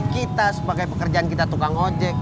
kita sebagai pekerjaan kita tukang ojek